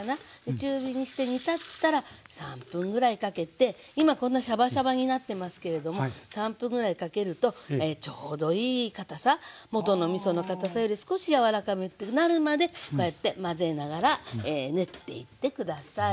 中火にして煮立ったら３分ぐらいかけて今こんなシャバシャバになってますけれども３分ぐらいかけるとちょうどいい堅さ元のみその堅さより少しやわらかくなるまでこうやって混ぜながら練っていって下さい。